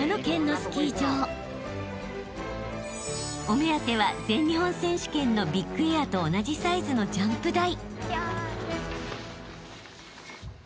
［お目当ては全日本選手権のビッグエアと同じサイズのジャンプ台］